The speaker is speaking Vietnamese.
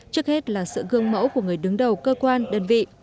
trước hết là sự gương mẫu của người đứng đầu cơ quan đơn vị